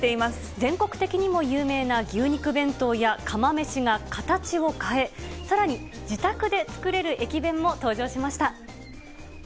全国的にも有名な牛肉弁当や釜めしが形を変え、さらに自宅で作れる駅弁も登場しました。